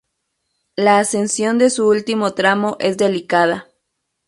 La ascensión de su último tramo es delicada.